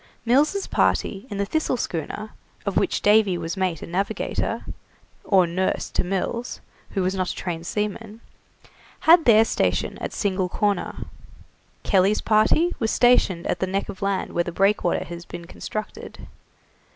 Mills' party in the 'Thistle' schooner, of which Davy was mate and navigator, or nurse to Mills, who was not a trained seaman, had their station at Single Corner; Kelly's party was stationed at the neck of land where the breakwater has been constructed.